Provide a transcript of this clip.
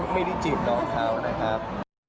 ไม่ได้จีบน้องเขานะครับ